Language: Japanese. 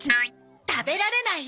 食べられないよ！